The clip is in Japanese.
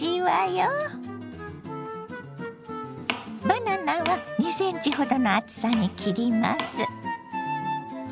バナナは２ｃｍほどの厚さに切ります。